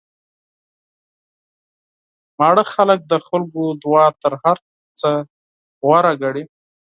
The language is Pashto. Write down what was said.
شتمن خلک د خلکو دعا تر هر څه غوره ګڼي.